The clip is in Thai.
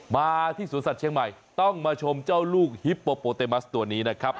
มาที่สวนสัตว์เชียงใหม่ต้องมาชมเจ้าลูกฮิปโปโปเตมัสตัวนี้นะครับ